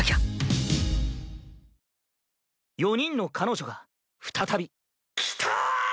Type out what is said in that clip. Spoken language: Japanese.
４人の彼女が再びキタ！